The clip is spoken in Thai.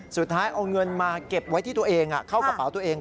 สุดท้ายเอาเงินมาเก็บไว้ที่ตัวเองเข้ากระเป๋าตัวเอง